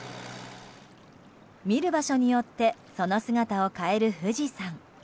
見る場所によってその姿を変える富士山。